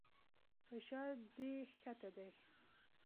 فشار دې کښته دى.